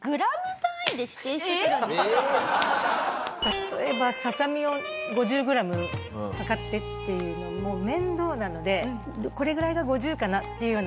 例えば「ササミを５０グラム量って」っていうのもう面倒なので「これぐらいが５０かな」っていうような。